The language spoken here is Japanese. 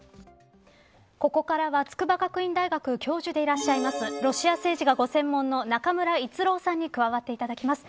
ここからは筑波学院大学教授でいらっしゃいますロシア政治がご専門の中村逸郎さんに加わっていただきます。